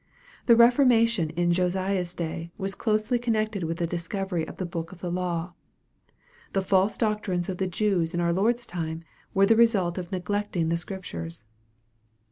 The re formation in Josiah's day was closely connected with the discovery of the book of the law. The false doctrines ol the Jews in our Lord's time were the result of neglecting the Scriptures.